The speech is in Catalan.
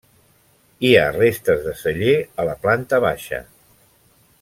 Hi ha restes de celler a la planta baixa.